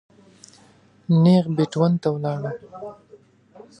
نېغ بېټ ون ته ولاړو.